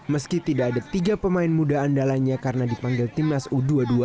meski tidak ada tiga pemain muda andalanya karena dipanggil timnas u dua puluh dua